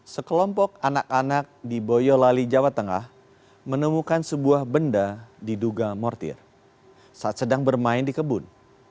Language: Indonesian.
sekelompok anak anak di boyolali jawa tengah menemukan sebuah benda diduga mortir saat sedang bermain di kebun